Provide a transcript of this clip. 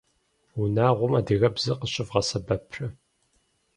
Унагъуэм адыгэбзэр къыщывгъэсэбэпрэ?